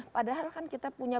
padahal kan kita punya